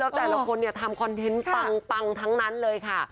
แล้วแต่ละคนเนี่ยทำคอนเทนต์ปังทั้งนั้นเลยค่ะ